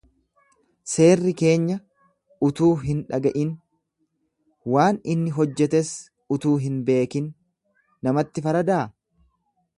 Seerri keenya utuu hin dhaga’in, waan inni hojjetes utuu hin beekin namatti faradaa?